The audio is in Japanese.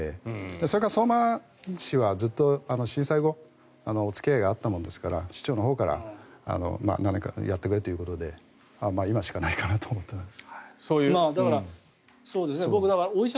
それから相馬市はずっと震災後、お付き合いがあったものですから市長のほうから何かやってくれということで今しかないかなと思ったんです。